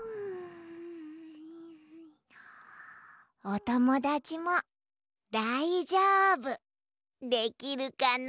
おともだちもだいじょうぶできるかな？